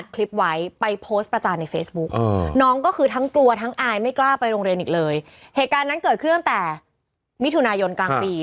เกิดขึ้นตั้งแต่มิถุนายนกลางปี